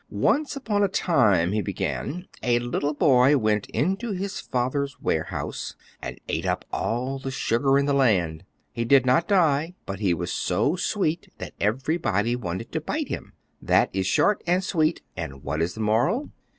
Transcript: "Once upon a time," he began, "a little boy went into his father's warehouse and ate up all the sugar in the land. He did not die, but he was so sweet that everybody wanted to bite him. That is short and sweet; and what is the moral?"